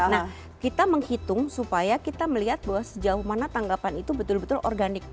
nah kita menghitung supaya kita melihat bahwa sejauh mana tanggapan itu betul betul organik